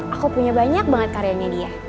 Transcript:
aku punya banyak banget karyanya dia